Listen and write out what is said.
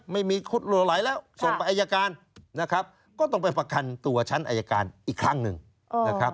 มีคนหลัวไหลแล้วส่งไปอายการนะครับก็ต้องไปประกันตัวชั้นอายการอีกครั้งหนึ่งนะครับ